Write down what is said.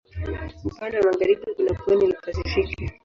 Upande wa magharibi kuna pwani la Pasifiki.